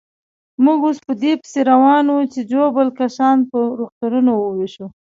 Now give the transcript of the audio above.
موږ اوس په دې پسې روان وو چې ژوبل کسان پر روغتونو وېشو.